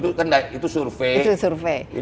bukan itu survei